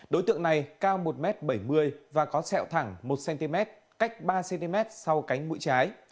đối tượng này cao một m bảy mươi và có sẹo thẳng một cm cách ba cm sau cánh mũi trái